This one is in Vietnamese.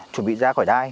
chuẩn bị ra khỏi đai